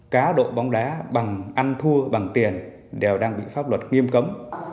cá độ bóng đá bằng ăn thua bằng tiền đều đang bị pháp luật nghiêm cấm